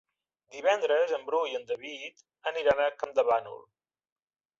Divendres en Bru i en David aniran a Campdevànol.